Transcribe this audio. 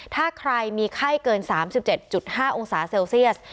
ถ้าใครมีไข้เกิน๓๗๕องศาเซลเซียส